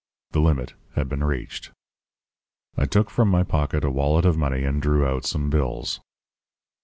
The limit had been reached. "I took from my pocket a wallet of money and drew out some bills.